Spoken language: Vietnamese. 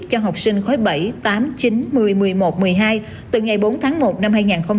cho học sinh khối bảy tám một mươi một mươi một một mươi hai từ ngày bốn tháng một năm hai nghìn hai mươi